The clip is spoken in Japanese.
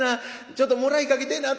ちょっともらいかけてぇな。